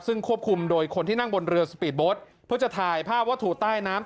ซึ่งควบคุมโดยคนที่นั่งบนเรือสปีดโบสต์เพื่อจะถ่ายภาพวัตถุใต้น้ำ